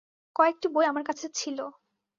কয়েকটি বই আমার কাছে ছিল।